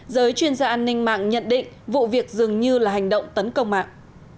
giới chuyên gia an ninh mạng nhận định vụ việc dường như là hành động tấn công mạng